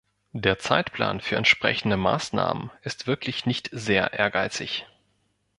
Der Zeitplan für entsprechende Maßnahmen ist wirklich nicht sehr ehrgeizig.